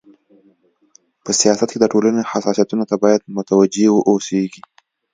په سیاست کي د ټولني حساسيتونو ته بايد متوجي و اوسيږي.